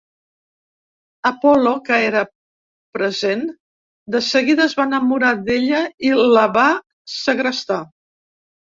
Apollo, que era present, de seguida es va enamorar d'ella i la va segrestar.